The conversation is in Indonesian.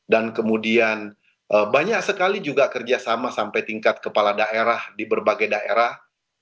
dan kemudian banyak sekali juga kerjasama sampai tingkat kepala daerah di berbagai daerah